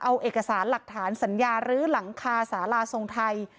เอาเอกสารหลักฐานสัญญารื้อหลังคาสาราทรงไทย